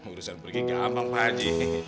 urusan pergi gampang pak haji